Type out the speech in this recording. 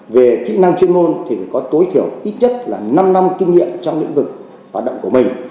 về kỹ năng chuyên môn thì có tối thiểu ít nhất là năm năm kinh nghiệm trong lĩnh vực hoạt động của mình